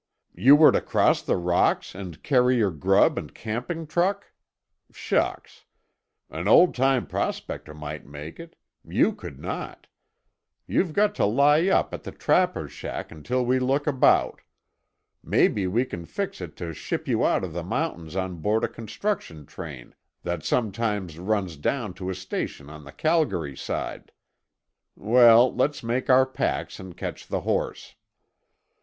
"You were to cross the rocks and carry your grub and camping truck? Shucks! An old time prospector might make it; you could not. You've got to lie up at the trapper's shack until we look about. Maybe we can fix it to ship you out of the mountains on board a construction train that sometimes runs down to a station on the Calgary side. Well, let's make our packs and catch the horse."